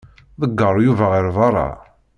Ḍegger Yuba ɣer beṛṛa.